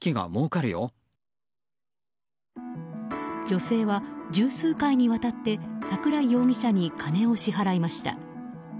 女性は十数回にわたって桜井容疑者に金を支払いました。